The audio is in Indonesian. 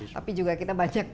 tapi juga kita banyak